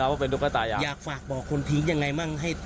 ว่าเป็นตุ๊กตายางอยากฝากบอกคนทิ้งยังไงมั่งให้